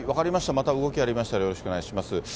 また動きがありましたら、よろしくお願いします。